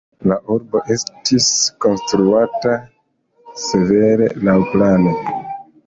La urbo estis konstruata severe laŭplane.